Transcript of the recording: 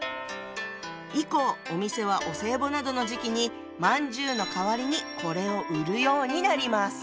以降お店はお歳暮などの時期にまんじゅうの代わりにこれを売るようになります。